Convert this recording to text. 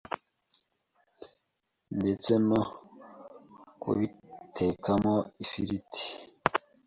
ndetse no kubitekamo ifiriti